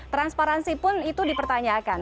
transparansi pun itu dipertanyakan